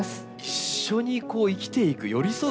一緒に生きていく寄り添う